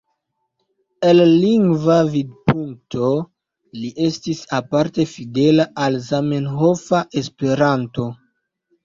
El lingva vidpunkto, li estis aparte fidela al la zamenhofa Esperanto.